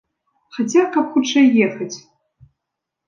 Хаця каб хутчэй ехаць.